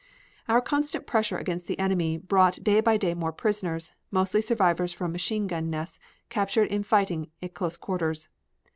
Our constant pressure against the enemy brought day by day more prisoners, mostly survivors from machine gun nests captured in fighting at close quarters.